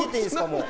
もう。